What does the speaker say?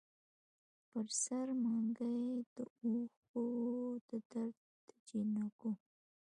پر سر منګي د اوښکـــــو وو د درد دجینکــــو